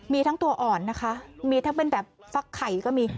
มีทั้งตัวอ่อนนะคะมีทั้งเป็นแบบฟักไข่ก็มี